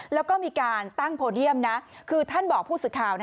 แล้วก็มีการตั้งโพเดียมนะคือท่านบอกผู้สื่อข่าว